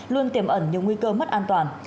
luôn tiềm ẩn nhiều nguy cơ mất an toàn